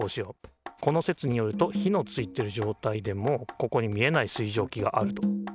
この説によると火のついてる状態でもここに見えない水蒸気があると。